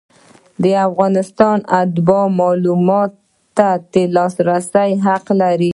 د افغانستان اتباع معلوماتو ته د لاسرسي حق لري.